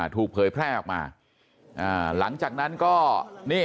ถูกเผยแพร่ออกมาอ่าหลังจากนั้นก็นี่